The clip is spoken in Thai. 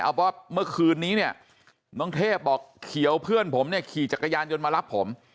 เอาว่าเมื่อคืนนี้เนี่ยน้องเทพบอกเขียวเพื่อนผมเนี่ยขี่จักรยานยนต์มารับผม